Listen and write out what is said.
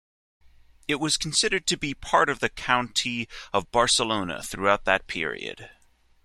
It was considered to be part of the County of Barcelona throughout that period.